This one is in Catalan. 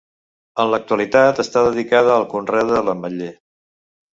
En l'actualitat està dedicada al conreu de l'ametller.